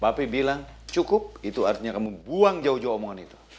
papa bilang cukup itu artinya kamu buang jauh jauh omongan itu